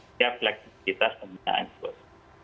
setiap aktivitas pembinaan bos